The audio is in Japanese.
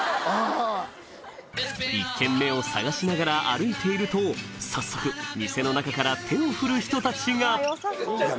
１軒目を探しながら歩いていると早速店の中から手を振る人たちが・おいでおいで！